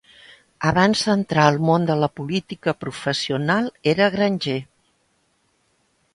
Abans d'entrar al món de la política professional era granger.